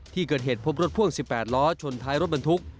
ที่เกิดเหตุพบรถพ่วง๑๘ล้อชนท้ายรถบรรทุก